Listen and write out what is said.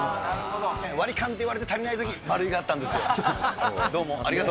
割り勘でって言われて足りないとき、マルイがあったんですよ。